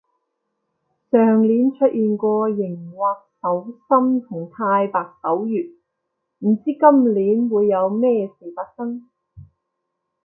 上年出現過熒惑守心同太白守月，唔知今年會有咩事發生